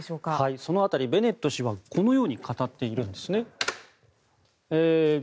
その辺り、ベネット氏はこのように語っているんですね。